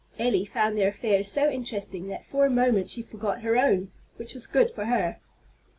Elly found their affairs so interesting that for a moment she forgot her own, which was good for her.